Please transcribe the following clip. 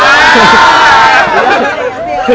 อ๋อไม่ใช่ตัวจริงแต่แรกแล้ว